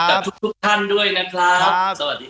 กับทุกท่านด้วยนะครับสวัสดีครับ